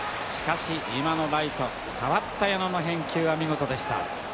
しかし今のライトかわった矢野の返球は見事でした。